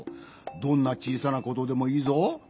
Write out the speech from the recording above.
どんなちいさなことでもいいぞ。